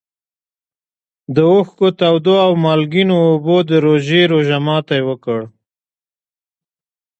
د اوښکو تودو او مالګینو اوبو د روژې روژه ماتي وکړ.